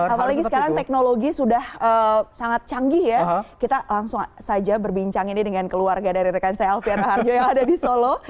apalagi sekarang teknologi sudah sangat canggih ya kita langsung saja berbincang ini dengan keluarga dari rekan saya alfian raharjo yang ada di solo